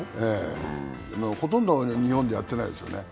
ほとんど日本でやってないですよね。